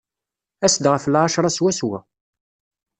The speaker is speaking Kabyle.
As-d ɣef lɛecṛa swaswa.